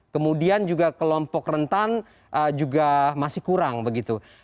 kemudian juga kelompok rentan juga masih kurang begitu